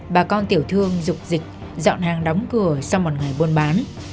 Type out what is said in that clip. bà con tiểu thương dục dịch dọn hàng đóng cửa sau một ngày buôn bán